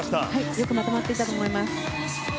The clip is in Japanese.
よくまとまっていたと思います。